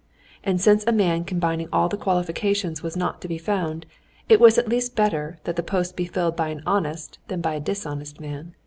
And since a man combining all the qualifications was not to be found, it was at least better that the post be filled by an honest than by a dishonest man.